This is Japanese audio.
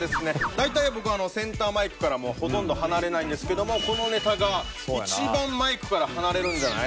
だいたい僕はセンターマイクからほとんど離れないんですけどもこのネタが一番マイクから離れるんじゃない？